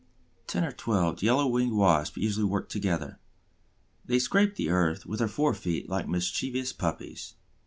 Ten or twelve Yellow winged Wasps usually work together. They scrape the earth with their fore feet like mischievous puppies.